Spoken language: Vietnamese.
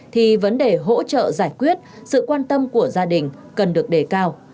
thì vấn đề hỗ trợ giải quyết sự quan tâm của gia đình cần được đề cao